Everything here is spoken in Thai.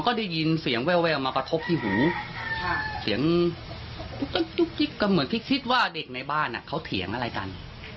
ก็เหมือนพฤติริศิ์ทฤว่าเด็กในบ้านเขาเถียงอะไรกัน